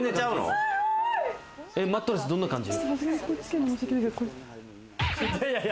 マットレスどんな感じ？